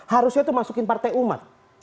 harusnya itu masukin partai umat